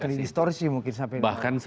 bahkan semakin distorsi mungkin sampai sekarang